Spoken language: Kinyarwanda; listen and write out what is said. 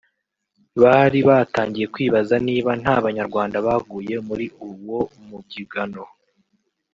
bari batangiye kwibaza niba nta banyarwanda baguye muri uwo mubyigano